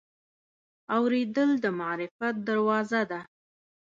اورېدل د معرفت دروازه ده.